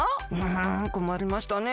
んこまりましたね。